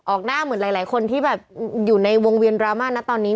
หน้าเหมือนหลายคนที่แบบอยู่ในวงเวียนดราม่านะตอนนี้